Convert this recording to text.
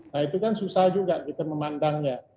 nah itu kan susah juga kita memandangnya